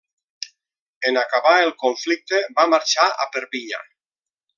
En acabar el conflicte va marxar a Perpinyà.